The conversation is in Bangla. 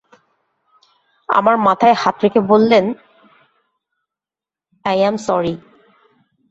আমার মাথায় হাত রেখে বললেন, এই অ্যাম সরি।